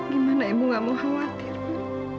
gimana ibu gak mau khawatir bu